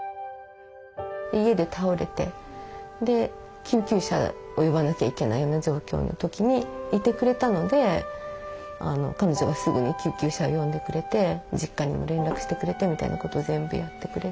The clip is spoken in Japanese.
家で倒れてで救急車を呼ばなきゃいけないような状況の時にいてくれたので彼女がすぐに救急車を呼んでくれて実家にも連絡してくれてみたいなことを全部やってくれて。